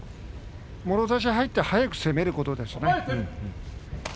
もろ差し入って速く攻めることですね。